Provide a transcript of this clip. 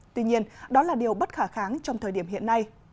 tuy nhiên đó là điều bất khả kháng trong thời điểm hiện nay